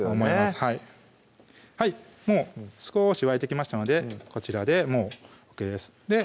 はい少し沸いてきましたのでこちらでもうＯＫです